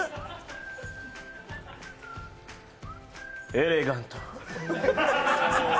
エレガント。